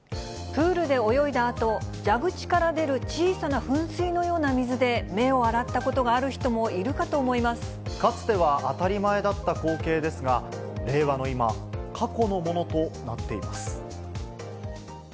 プールで泳いだあと、蛇口から出る小さな噴水のような水で目を洗ったことがある人もいかつては当たり前だった光景ですが、令和の今、過去のものとなっています。